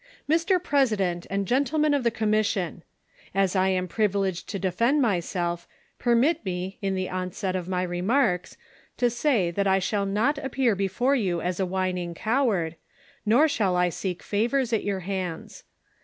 B. President and Gentlemen of the Commission :— As I am privileged to defend myself, permit me, in the onset of my remarks, to say that I shall not appear before you as a whining coward, nor shall I seek favors at your hands.